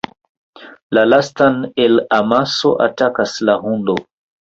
La lastan el amaso atakas la hundo.